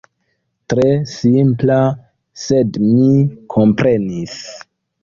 Tre simpla, sed mi komprenis.